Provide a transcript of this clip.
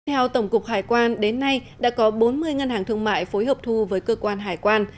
theo tổng cục hải quan đến nay đã có bốn mươi ngân hàng thương mại phối hợp thu với cơ quan hải quan